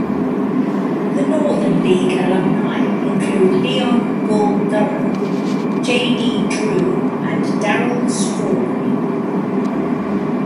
The Northern League alumni include Leon "Bull" Durham, J. D. Drew, and Darryl Strawberry.